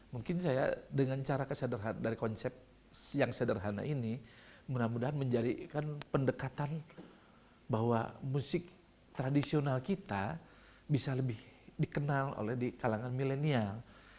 mungkin saya dengan cara dari konsep yang sederhana ini mudah mudahan menjadikan pendekatan bahwa musik tradisional kita bisa lebih dikenal oleh di kalangan milenial